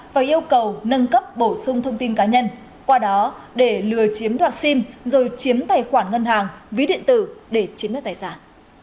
và yêu cầu nâng cấp bổ sung thông tin cá nhân qua đó để lừa chiếm đoạt sim rồi chiếm tài khoản ngân hàng ví điện tử để chiếm đất tài sản